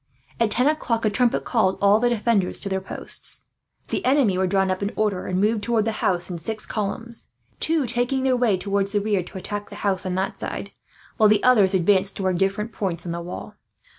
At ten o'clock a trumpet called all the defenders to their posts. The enemy were drawn up in order, and moved towards the house in six columns; two taking their way towards the rear, to attack the house on that side, while the others advanced toward different points on the wall.